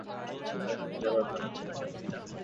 এই ক্যাশবাক্সটি পাইয়া কাল কমলা একটি নূতন গৌরব লাভ করিয়াছিল।